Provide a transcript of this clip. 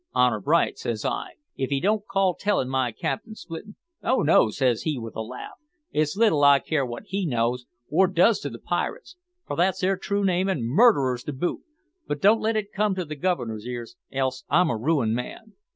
`Honour bright,' says I, `if ye don't call tellin' my captain splittin'.' `Oh no,' says he, with a laugh, `it's little I care what he knows, or does to the pirates for that's their true name, and murderers to boot but don't let it come to the Governor's ears, else I'm a ruined man.'